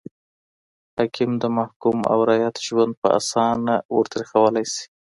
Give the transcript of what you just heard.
حاکم د محکوم او رعيت ژوند په اسانه ور تريخولای سي